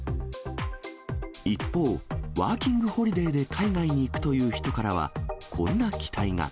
一方、ワーキングホリデーで海外に行くという人からは、こんな期待が。